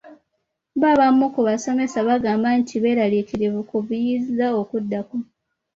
Bo abamu ku basomesa bagamba nti beeralikirivu ku biyinza okuddako.